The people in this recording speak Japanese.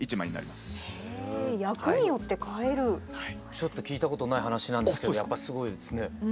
ちょっと聞いたことない話なんですけどやっぱすごいですね。